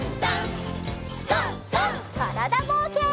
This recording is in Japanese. からだぼうけん。